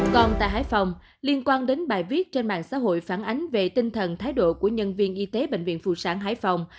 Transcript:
còn tại hải phòng liên quan đến bài viết trên mạng xã hội phản ánh về tinh thần thái độ của nhân viên y tế bệnh viện phụ sản hải phòng